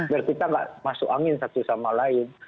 biar kita nggak masuk angin satu sama lain